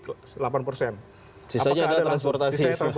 apakah ada langsung sisanya transportasi